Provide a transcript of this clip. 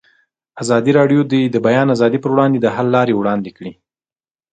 ازادي راډیو د د بیان آزادي پر وړاندې د حل لارې وړاندې کړي.